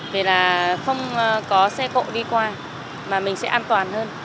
vì là không có xe cộ đi qua mà mình sẽ an toàn hơn